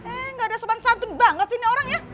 enggak ada sopan santun banget sih ini orangnya